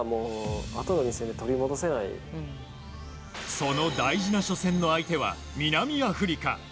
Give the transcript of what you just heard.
その大事な初戦の相手は南アフリカ。